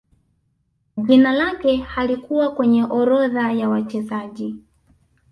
Jina lake halikuwa kwenye orodha ya wachezaji